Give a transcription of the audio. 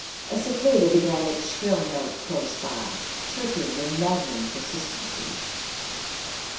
A cicada began its shrill note close by, chirping with maddening persistency.